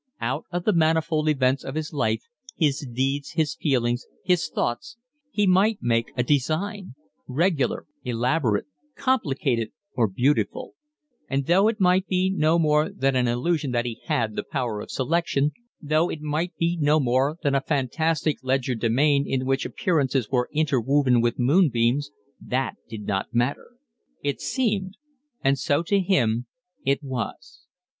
Out of the manifold events of his life, his deeds, his feelings, his thoughts, he might make a design, regular, elaborate, complicated, or beautiful; and though it might be no more than an illusion that he had the power of selection, though it might be no more than a fantastic legerdemain in which appearances were interwoven with moonbeams, that did not matter: it seemed, and so to him it was.